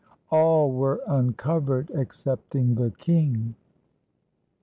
All were uncovered excepting the king.